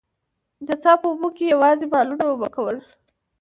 د څاه په اوبو به يې يواځې مالونه اوبه کول.